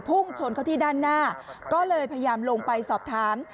พุ่งชนเขาที่ด้านหน้าก็เลยพยายามลงไปสอบถาม